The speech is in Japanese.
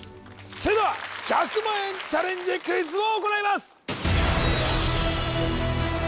それでは１００万円チャレンジクイズを行います